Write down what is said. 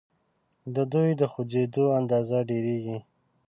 د دوی د خوځیدو اندازه ډیریږي.